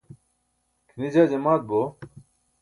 kʰine jaa jamaat bo